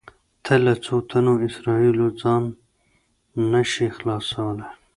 ته له څو تنو اسرایلو ځان نه شې خلاصولی.